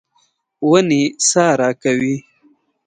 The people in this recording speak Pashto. ونې سا راکوي.